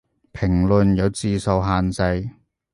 評論有字數限制